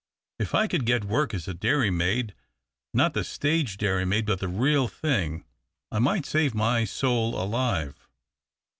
If I could get work as a dairy maid, not the stage dairy maid but the real thing, I might save my soul alive.